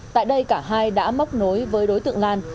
tại đây cả hai đã móc nối với đối tượng lan